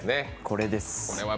これです。